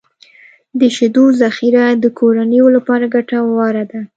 د شیدو ذخیره د کورنیو لپاره ګټوره ده.